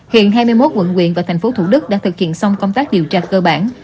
hiện hai mươi một quận quyện và thành phố thủ đức đã thực hiện xong công tác điều tra cơ bản